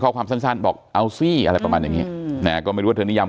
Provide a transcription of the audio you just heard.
ความสั้นบอกเอาสิอะไรประมาณอย่างงี้นะก็ไม่รู้ว่าเธอนิยาม